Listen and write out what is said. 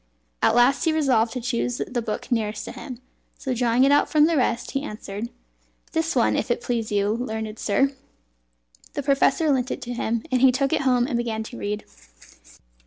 At last he resolved to choose the book nearest to him; so drawing it out from the rest, he answered "This one, if it please you, learned sir." The professor lent it to him, and he took it home and began to read.